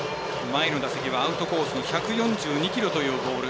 前の打席はアウトコースの１４２キロというボール。